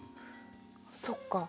そっか